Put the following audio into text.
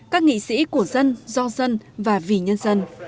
các nghị sĩ của dân do dân và vì nhân dân